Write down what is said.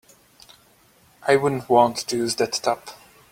I wouldn't want to use that tub.